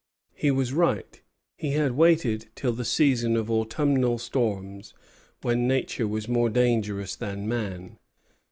He was right. He had waited till the season of autumnal storms, when nature was more dangerous than man.